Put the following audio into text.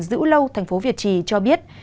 dữ lâu tp việt trì cho biết